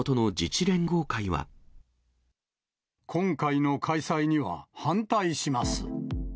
今回の開催には反対します。